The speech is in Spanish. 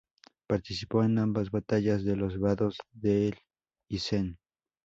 Participó en ambas Batallas de los Vados del Isen.